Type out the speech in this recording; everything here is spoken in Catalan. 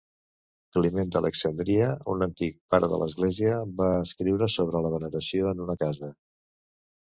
Climent d'Alexandria, un antic pare de l'Església, va escriure sobre la veneració en una casa.